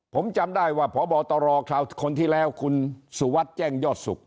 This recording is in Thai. ผมจำได้ว่าพบตรคราวคนที่แล้วคุณสุวัสดิ์แจ้งยอดสุข